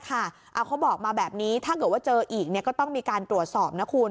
เขาบอกมาแบบนี้ถ้าเกิดว่าเจออีกก็ต้องมีการตรวจสอบนะคุณ